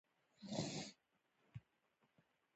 همدا چې له بولدکه واوښتم.